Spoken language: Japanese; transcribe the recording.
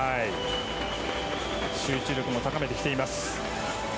集中力も高めてきています。